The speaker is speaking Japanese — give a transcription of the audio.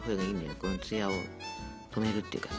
このツヤを止めるっていうかさ。